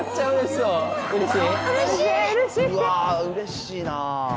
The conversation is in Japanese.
うれしい！